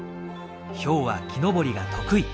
ヒョウは木登りが得意。